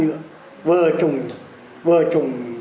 vừa trồng vừa trồng cái cây thông to là nó để khai thác nữa